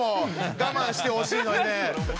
我慢してほしいのに。